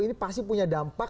ini pasti punya daun